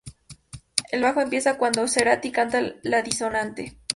El bajo empieza cuando Cerati canta la disonante.